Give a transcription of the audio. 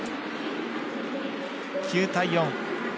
９対４。